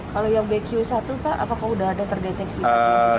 kalau yang bq satu pak apakah sudah ada terdeteksi